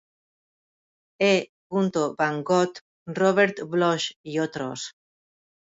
E. van Vogt, Robert Bloch y otros.